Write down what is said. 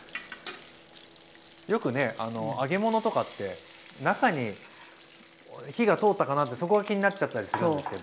よくね揚げ物とかって中に火が通ったかなってそこが気になっちゃったりするんですけど。